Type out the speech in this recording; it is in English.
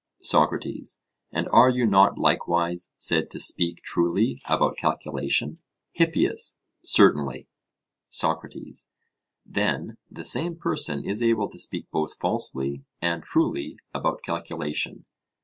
SOCRATES: And are you not likewise said to speak truly about calculation? HIPPIAS: Certainly. SOCRATES: Then the same person is able to speak both falsely and truly about calculation?